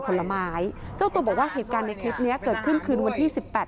ผลไม้เจ้าตัวบอกว่าเหตุการณ์ในคลิปเนี้ยเกิดขึ้นคืนวันที่สิบแปด